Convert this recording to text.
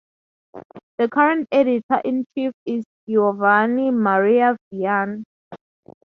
The current editor-in-chief is Giovanni Maria Vian.